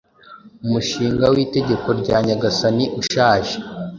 Umushinga witegeko rya nyagasani ushaje